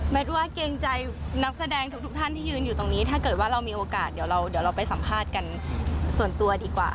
ว่าเกรงใจนักแสดงทุกท่านที่ยืนอยู่ตรงนี้ถ้าเกิดว่าเรามีโอกาสเดี๋ยวเราเดี๋ยวเราไปสัมภาษณ์กันส่วนตัวดีกว่า